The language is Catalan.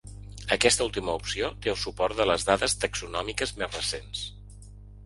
Aquesta última opció té el suport de les dades taxonòmiques més recents.